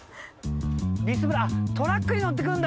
ビスブラ、トラックに乗ってくるんだ。